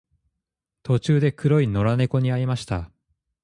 途中で黒い野良猫に会いました。